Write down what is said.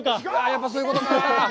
やっぱり、そういうことかぁ。